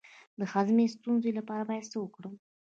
د هضم د ستونزې لپاره باید څه وکړم؟